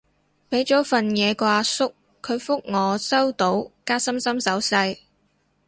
畀咗份嘢個阿叔，佢覆我收到加心心手勢